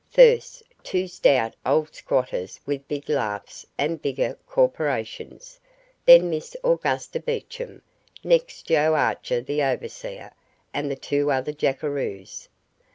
First, two stout old squatters with big laughs and bigger corporations, then Miss Augusta Beecham, next Joe Archer the overseer, and the two other jackeroos.